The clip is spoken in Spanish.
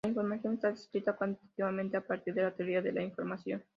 La información está descrita cuantitativamente a partir de la teoría de la información.